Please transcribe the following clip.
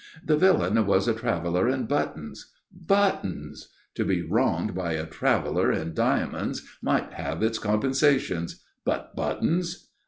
The villain was a traveller in buttons buttons! To be wronged by a traveller in diamonds might have its compensations but buttons!